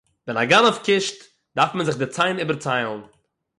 װען אַ גנבֿ קושט, דאַרף מען זיך די צײן איבערצײלן.